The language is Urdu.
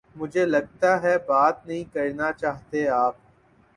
مجھے لگتا ہے بات نہیں کرنا چاہتے آپ